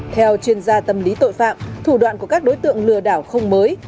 theo chuyên gia tâm lý tội phạm thủ đoạn của các đối tượng lừa đảo không mới